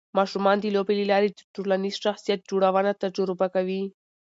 ماشومان د لوبو له لارې د ټولنیز شخصیت جوړونه تجربه کوي.